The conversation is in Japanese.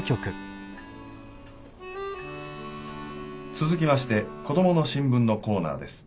続きまして「コドモの新聞」のコーナーです。